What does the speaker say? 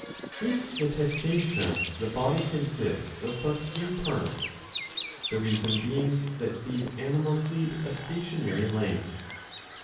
y.) In the Testacea^ the body consists of but few parts, the reason being that these animals lead a stationary life.